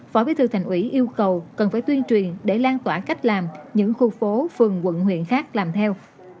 phó bí thư thành ủy yêu cầu cần phải tuyên truyền để lan tỏa cách làm những khu phố phường quận huyện khác làm theo